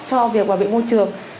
cho việc bảo vệ môi trường